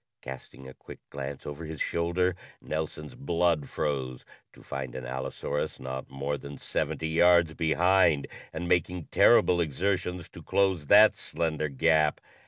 Casting a quick glance over his shoulder, Nelson's blood froze to find an allosaurus not more than seventy yards behind, and making terrible exertions to close that slender gap!